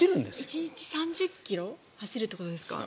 １日３０ｋｍ走るってことですか？